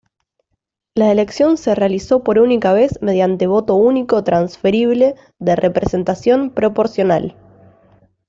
La elección se realizó por única vez mediante voto único transferible de representación proporcional.